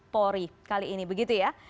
polri kali ini begitu ya